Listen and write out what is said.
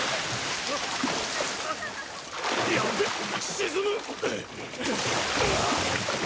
沈む！